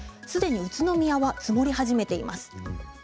すでに宇都宮は積もり始めています。